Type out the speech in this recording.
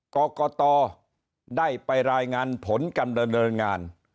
กรกตได้ไปรายงานผลการดำเนินงาน